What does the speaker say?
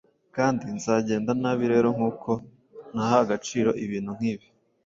kandi nzagenda nabi; Rero, nkuko ntaha agaciro ibintu nkibi,